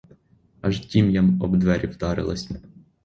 Аж тім'ям об двері вдарилась.